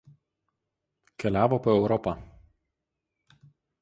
Keliavo po Europą.